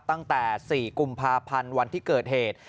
ตั้งแต่๔กุมภาพันธ์วันที่เกิดเหตุ